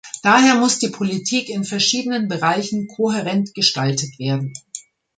Daher muss die Politik in verschiedenen Bereichen kohärent gestaltet werden.